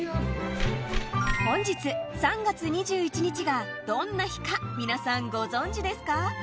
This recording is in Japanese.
本日、３月２１日がどんな日か皆さんご存じですか？